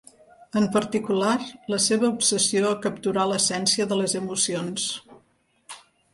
En particular, la seva obsessió a capturar l'essència de les emocions.